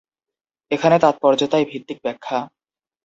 এখানে তাৎপর্য তাই ভিত্তিক ব্যাখ্যা।